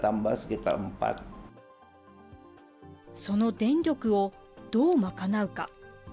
その電力をどう賄うか。